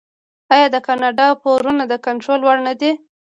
آیا د کاناډا پورونه د کنټرول وړ نه دي؟